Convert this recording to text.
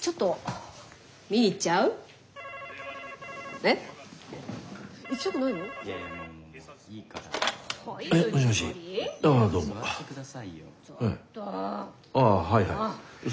ええあはいはい。